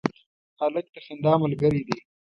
هلک د خندا ملګری دی.